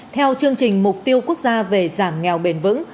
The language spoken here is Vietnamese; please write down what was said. theo chương trình mục tiêu quốc gia về giảm nghèo bền vững